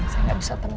saya gak usah tenang